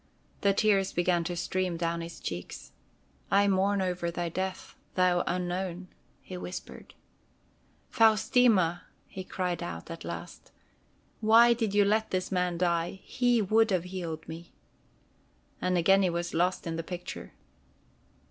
The tears began to stream down his cheeks. "I mourn over thy death, thou Unknown!" he whispered. "Faustina!" he cried out at last. "Why did you let this man die? He would have healed me." And again he was lost in the picture.